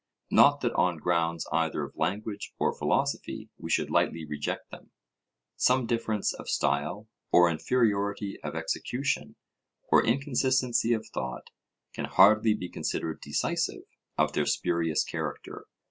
Not that on grounds either of language or philosophy we should lightly reject them. Some difference of style, or inferiority of execution, or inconsistency of thought, can hardly be considered decisive of their spurious character.